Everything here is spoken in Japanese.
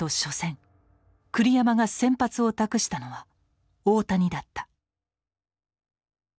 栗山が先発を託したのは大谷だった。